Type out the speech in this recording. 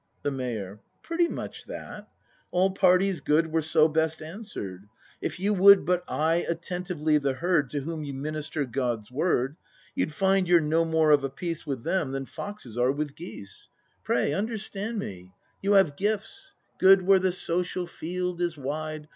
The Mayor. Pretty much that. All parties' good Were so best answered. If you would But eye attentively the herd To whom you minister God's word. You'd find you're no more of a piece With them than foxes are with geese. ACT III] BRAND 127 Pray, understand me! You have gifts. Good where the social field is wide.